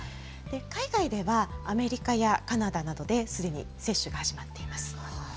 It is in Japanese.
海外では、アメリカやカナダなどですでに接種が始まっています。